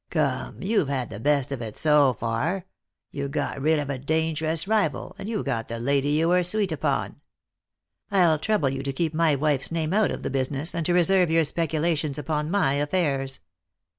" Come, you've had the best of it so far. You got rid of a dangerous rival, and you got the lady you were sweet upon." " I'll trouble you to keep my wife's name out of the business, and to reserve your speculations upon my affairs.